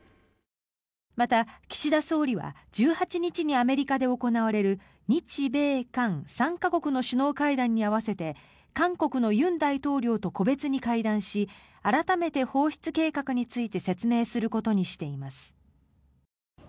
また、岸田総理は１８日にアメリカで行われる日米韓３か国の首脳会談に併せて韓国の尹大統領と個別に会談し改めて放出計画について説明することにしています。